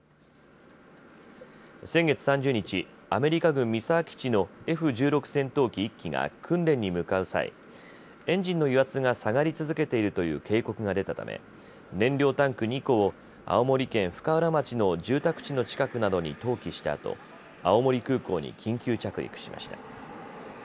先月３０日、アメリカ軍三沢基地のＦ１６戦闘機１機が訓練に向かう際、エンジンの油圧が下がり続けているという警告が出たため燃料タンク２個を青森県深浦町の住宅地の近くなどに投棄したあと青森空港に緊急着陸しました。